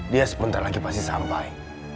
dia sebentar lagi pasti sampai